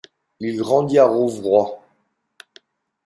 Il grandit à Rouvroy.